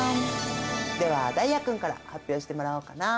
では太哉君から発表してもらおうかな？